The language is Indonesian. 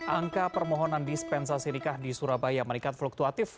angka permohonan dispensa sinikah di surabaya meningkat fluktuatif